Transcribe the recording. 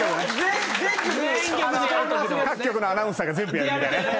各局のアナウンサーが全部やるみたいな。